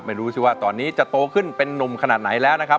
ไม่รู้สิว่าตอนนี้จะโตขึ้นเป็นนุ่มขนาดไหนแล้วนะครับ